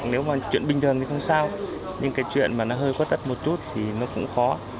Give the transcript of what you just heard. nếu mà chuyện bình thường thì không sao nhưng cái chuyện mà nó hơi khuất tật một chút thì nó cũng khó